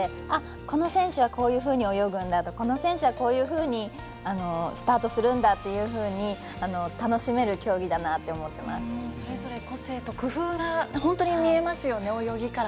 この選手はこういうふうに泳ぐんだこの選手はこういうふうにスタートするんだっていうふうにそれぞれ個性と工夫が本当に見えますよね。